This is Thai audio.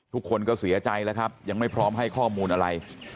ทุกคนก็เสียใจแล้วครับยังไม่พร้อมให้ข้อมูลอะไร